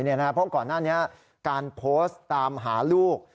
เพราะก่อนหน้านี้การโพสต์ตามหาลูก